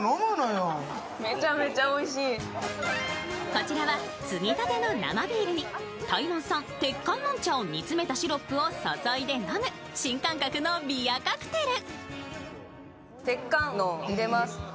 こちらはつぎたての生ビールに台湾産鉄観音茶を煮詰めたシロップを注いで飲む新感覚のビアカクテル。